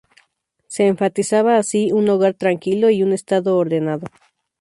Se enfatizaba así un hogar tranquilo y un Estado ordenado.